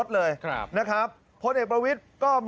สมัยไม่เรียกหวังผม